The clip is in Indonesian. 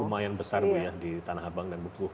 lumayan besar bu di tanah abang dan bukuh